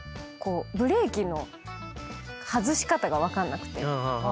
ブレーキの外し方が分かんなくて。